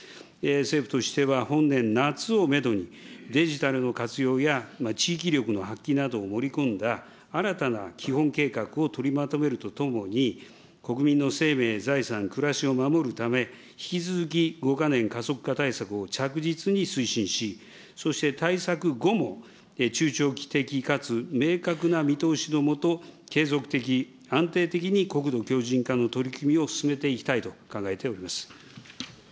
政府としては、本年夏をメドに、デジタルの活用や、地域力の発揮などを盛り込んだ新たな基本計画を取りまとめるとともに、国民の生命や財産、暮らしを守るため、引き続き５か年加速化対策を着実に推進し、そして対策後も、中長期的かつ明確な見通しの下、継続的、安定的に国土強じん化の取り組みを進めていきたいと考えております。